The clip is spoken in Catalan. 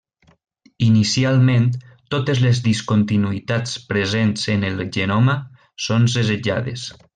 Inicialment, totes les discontinuïtats presents en el genoma són segellades.